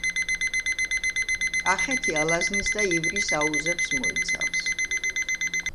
კახეთი ალაზნის და ივრის აუზებს მოიცავს